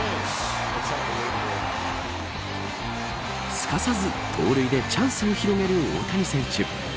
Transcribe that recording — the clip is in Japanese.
すかさず盗塁でチャンスを広げる大谷選手。